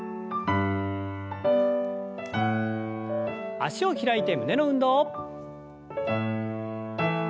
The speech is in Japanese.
脚を開いて胸の運動。